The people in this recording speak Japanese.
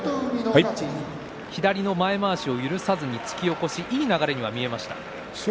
左の前まわしを許さずに突き起こし言い流れに見えました。